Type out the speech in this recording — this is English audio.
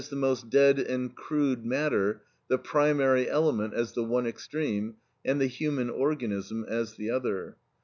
_, the most dead and crude matter, the primary element, as the one extreme, and the human organism as the other.